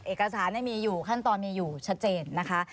เอกสารมีอยู่ขั้นตอนมีอยู่ชัดเจนนะคะ